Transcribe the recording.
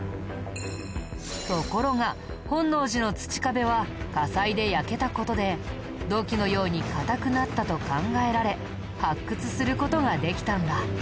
ところが本能寺の土壁は火災で焼けた事で土器のように固くなったと考えられ発掘する事ができたんだ。